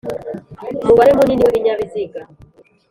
Umubare munini w ibinyabiziga